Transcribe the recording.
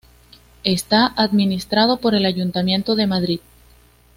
Está administrado por el Ayuntamiento de Madrid.